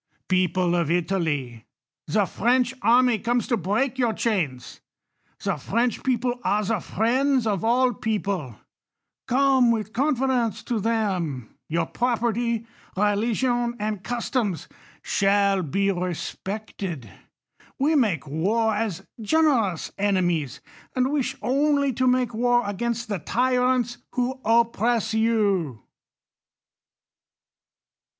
People of Italy, the French army comes to break your chains ; the French peo})le are the friends of all V people ; come with confidence to them ; your prop erty, religion, and customs shall be respected. We make war as generous enemies ; and wish only to make war against the tyrants who oppress you.